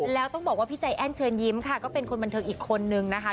แล้วต้องบอกว่าพี่ใจแอ้นเชิญยิ้มค่ะก็เป็นคนบันเทิงอีกคนนึงนะคะ